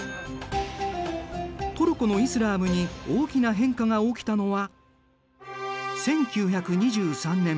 トルコのイスラームに大きな変化が起きたのは１９２３年。